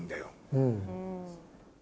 うん。